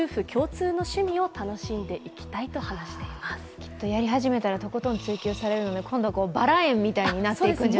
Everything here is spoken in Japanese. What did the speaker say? きっとやり始めたらとことん追求されるので今度、バラ園みたいになっていくんじゃ。